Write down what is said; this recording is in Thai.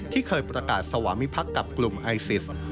ที่เคยประกาศสวามิพักษ์กับกลุ่มไอซิส